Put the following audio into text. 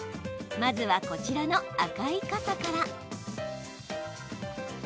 まずは、こちらの赤い傘から。